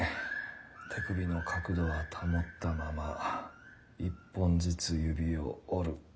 手首の角度は保ったまま一本ずつ指を折る。